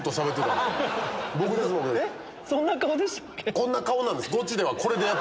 こんな顔なんです。